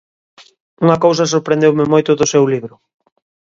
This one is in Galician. Unha cousa sorprendeume moito do seu libro.